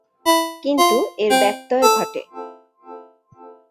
কিন্তু, এর ব্যতয় ঘটে।